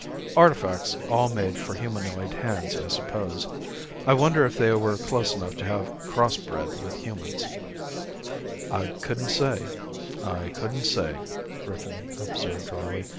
"Artifacts all made for humanoid hands I suppose. I wonder if they were close enough to have crossbred with humans." "I couldn't say," Griffin observed dryly.